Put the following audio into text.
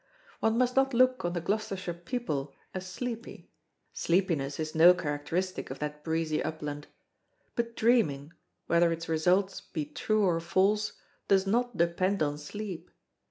One must not look on the Gloucestershire people as sleepy sleepiness is no characteristic of that breezy upland; but dreaming, whether its results be true or false, does not depend on sleep.